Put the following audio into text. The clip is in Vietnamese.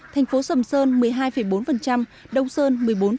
thành phố sầm sơn một mươi hai bốn đông sơn một mươi bốn